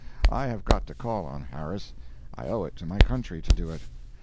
I have got to call on Harris. I owe it to my country to do it.